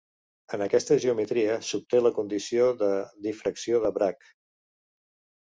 En aquesta geometria s'obté la condició de difracció de Bragg.